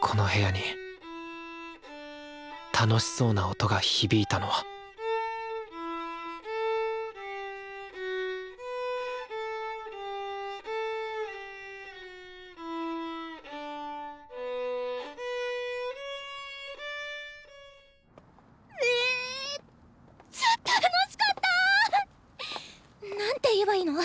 この部屋に楽しそうな音が響いたのはめっちゃ楽しかった！なんて言えばいいの？